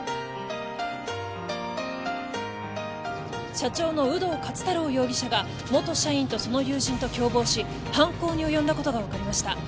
社長の鵜堂勝太郎容疑者が元社員とその友人と共謀し犯行に及んだことが分かりました